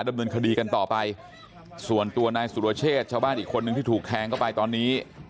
ดำเนินคดีกันต่อไปส่วนตัวนายสุรเชษชาวบ้านอีกคนนึงที่ถูกแทงเข้าไปตอนนี้